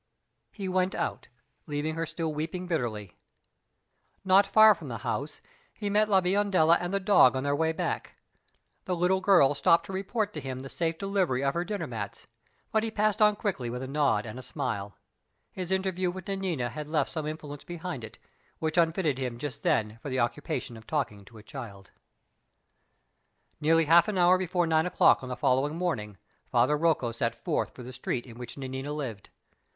He went out, leaving her still weeping bitterly. Not far from the house, he met La Biondella and the dog on their way back. The little girl stopped to report to him the safe delivery of her dinner mats; but he passed on quickly with a nod and a smile. His interview with Nanina had left some influence behind it, which unfitted him just then for the occupation of talking to a child. Nearly half an hour before nine o'clock on the following morning, Father Rocco set forth for the street in which Nanina lived.